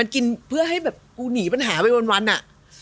กูหนีปัญหาไปวันอ่ะ